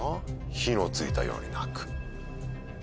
「火のついたように泣く」。